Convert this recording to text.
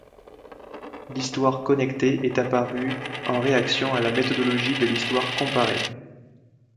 L’histoire connectée est apparue en réaction à la méthodologie de l’histoire comparée.